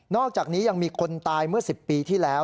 อกจากนี้ยังมีคนตายเมื่อ๑๐ปีที่แล้ว